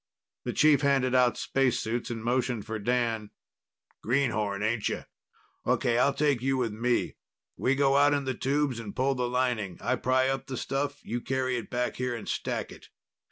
The chief handed out spacesuits and motioned for Dan. "Greenhorn, aincha? Okay, I'll take you with me. We go out in the tubes and pull the lining. I pry up the stuff, you carry it back here and stack it."